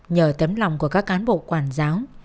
nhờ tấm lòng của các cán bộ quản giáo